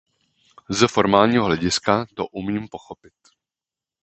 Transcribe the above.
Z formálního hlediska to umím pochopit.